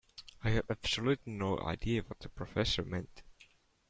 I have absolutely no idea what the professor meant.